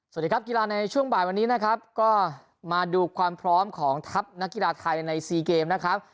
สวัสดีครับกีฬาในช่วงบ่ายวันนี้นะครับก็มาดูความพร้อมของทัพนักกีฬาไทยใน๔เกมนะครับ